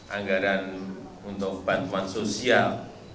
anggaran untuk bantuan sosial